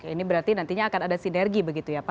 ini berarti nantinya akan ada sinergi begitu ya pak